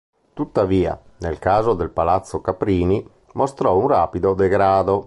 Tuttavia, nel caso del palazzo Caprini, mostrò un rapido degrado.